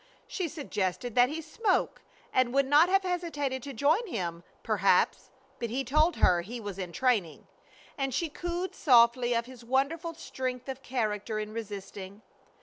She suggested that he smoke, and would not have hesitated to join him, perhaps, but he told her he was in training, and she cooed softly of his wonderful strength of character in resisting.